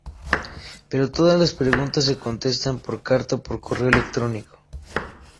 Pero todas las preguntas se contestan por carta o por correo electrónico.